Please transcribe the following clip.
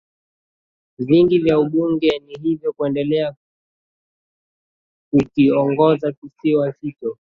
vingi vya ubunge na hivyo kuendelea kukiongoza kisiwa hicho